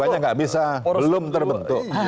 banyak nggak bisa belum terbentuk